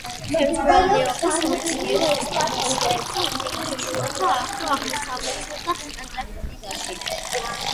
ხელმძღვანელობდა სამეცნიერო ექსპედიციებს აფრიკაში, შუა და ახლო აღმოსავლეთსა და ანტარქტიკაში.